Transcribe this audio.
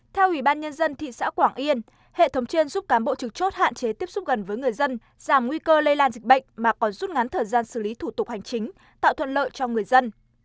theo ủy ban nhân dân thị xã quảng yên hệ thống trên giúp cán bộ trực chốt hạn chế tiếp xúc gần với người dân giảm nguy cơ lây lan dịch bệnh mà còn rút ngắn thời gian xử lý thủ tục hành chính tạo thuận lợi cho người dân